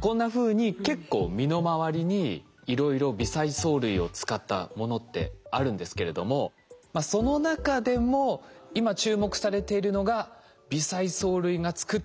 こんなふうに結構身の回りにいろいろ微細藻類を使ったものってあるんですけれどもその中でも今注目されているのが微細藻類が作ってくれるこちら。